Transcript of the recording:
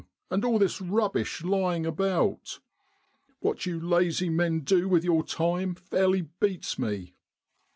And all this rubbish lying about ! What you lazy men do with your time fairly beats me.'